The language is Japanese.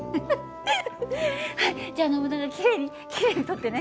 はいじゃあノブナガきれいにきれいに撮ってね。